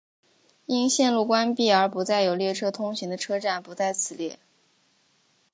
因线路关闭而不再有列车通行的车站不在此列。